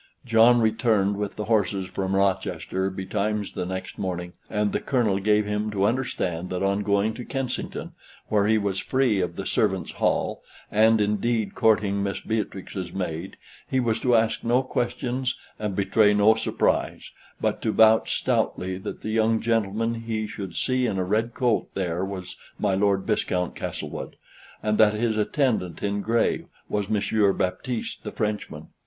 John returned with the horses from Rochester betimes the next morning, and the Colonel gave him to understand that on going to Kensington, where he was free of the servants' hall, and indeed courting Miss Beatrix's maid, he was to ask no questions, and betray no surprise, but to vouch stoutly that the young gentleman he should see in a red coat there was my Lord Viscount Castlewood, and that his attendant in gray was Monsieur Baptiste the Frenchman.